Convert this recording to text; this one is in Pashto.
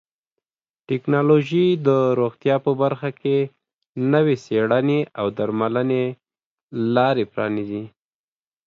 ټکنالوژي د روغتیا په برخه کې نوې څیړنې او درملنې لارې پرانیزي.